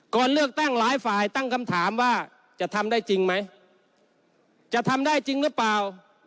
ก่อนเลือกตั้งหลายฝ่ายตั้งคำถามว่าจะทำได้จริงไหมจะทำได้จริงหรือเปล่า